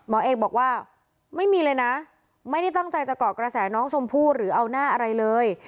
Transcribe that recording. เอกบอกว่าไม่มีเลยนะไม่ได้ตั้งใจจะเกาะกระแสน้องชมพู่หรือเอาหน้าอะไรเลย